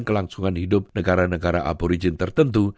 kelangsungan hidup negara negara aporigen tertentu